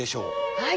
はい。